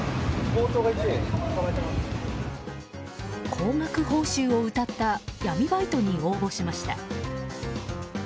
高額報酬をうたった闇バイトに応募しました。